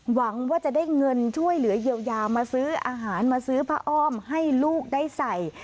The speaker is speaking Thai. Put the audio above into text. หวังว่าจะได้เงินช่วยเหลือเยียวยามาซื้ออาหารมาซื้อผ้าอ้อมให้ลูกได้ใส่